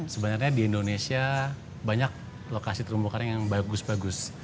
sebenarnya di indonesia banyak lokasi terumbu karang yang bagus bagus